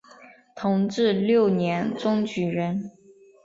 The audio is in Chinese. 同治六年中举人。